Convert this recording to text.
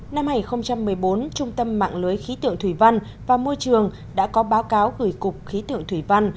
năm hai nghìn một mươi bốn trung tâm mạng lưới khí tượng thủy văn và môi trường đã có báo cáo gửi cục khí tượng thủy văn